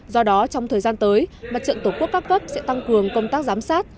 do đó trong thời gian tới mặt trận tổ quốc các cấp sẽ tăng cường công tác giám sát